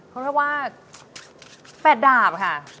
เพราะว่าแปดดาบค่ะ